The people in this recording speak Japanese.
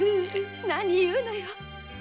何言うのよ！